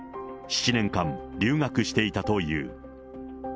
７年間留学していたという。